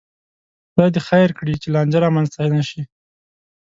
خدای دې خیر کړي، چې لانجه را منځته نشي